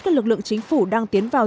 các lực lượng chính phủ đang tiến vào